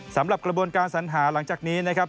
สำหรับกระบวนการสัญหาหลังจากนี้นะครับ